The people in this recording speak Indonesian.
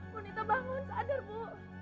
bunita bangun sadar bu